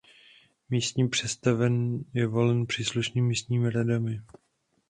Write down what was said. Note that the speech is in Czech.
Místní představený je volen příslušnými místními radami.